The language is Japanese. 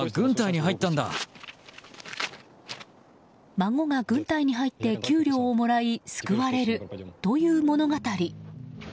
孫が軍隊に入って給料をもらい救われるという物語。